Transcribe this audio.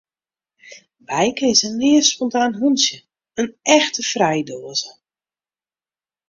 Bijke is in leaf, spontaan hûntsje, in echte frijdoaze.